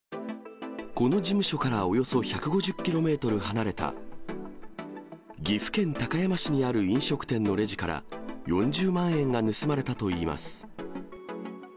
この事務所からおよそ１５０キロメートル離れた、岐阜県高山市にある飲食店のレジから、４０万円が盗まれたといいます。